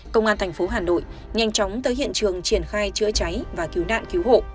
công an thành phố hà nội nhanh chóng tới hiện trường triển khai chữa cháy và cứu nạn cứu hộ